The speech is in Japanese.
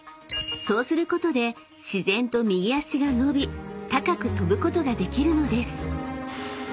［そうすることで自然と右脚が伸び高く跳ぶことができるのです］